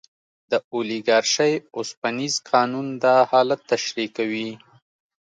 د اولیګارشۍ اوسپنیز قانون دا حالت تشریح کوي.